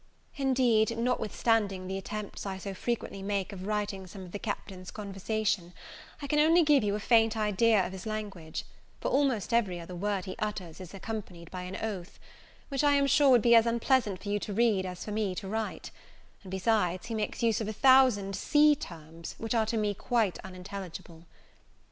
Indeed, notwithstanding the attempts I so frequently make of writing some of the Captain's conversation, I can only give you a faint idea of his language; for almost every other word he utters is accompanied by an oath, which, I am sure, would be as unpleasant for you to read, as for me to write: and, besides, he makes use of a thousand sea terms, which are to me quite unintelligible.